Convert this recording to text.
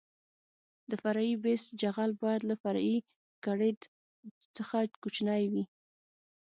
د فرعي بیس جغل باید له فرعي ګریډ څخه کوچنی وي